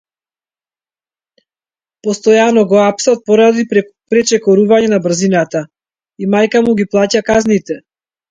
Постојано го апсат поради пречекорување на брзината и мајка му ги плаќа казните.